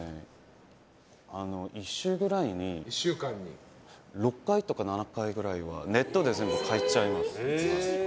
１週間くらいに６回とか７回くらいはネットで全部買っちゃいます。